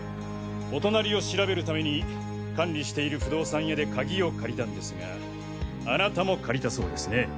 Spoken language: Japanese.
お隣を調べるために管理している不動産屋で鍵を借りたんですがあなたも借りたそうですね。